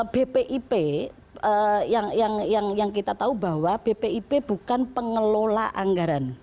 bpip yang kita tahu bahwa bpip bukan pengelola anggaran